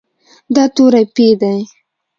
دا توری "پ" دی.